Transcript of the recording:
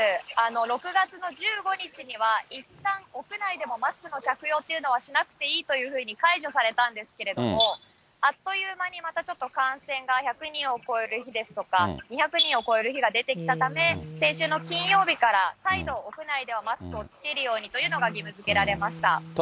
６月の１５日には、いったん屋内でもマスクの着用というのはしなくていいというふうに解除されたんですけれども、あっという間にまたちょっと感染が１００人を超える日ですとか、２００人を超える日が出てきたため、先週の金曜日から再度、屋内ではマスクを着けるようにというのが義務づけられました。